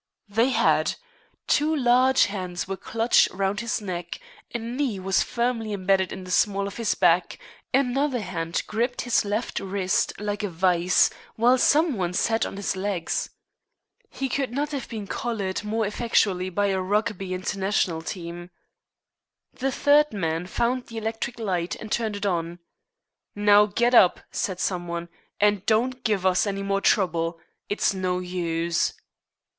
They had. Two large hands were clutched round his neck, a knee was firmly embedded in the small of his back, another hand gripped his left wrist like a vice, while some one sat on his legs. He could not have been collared more effectually by a Rugby International team. The third man found the electric light and turned it on. "Now, get up," said some one, "and don't give us any more trouble. It's no use."